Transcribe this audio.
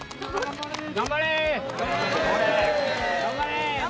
頑張れ！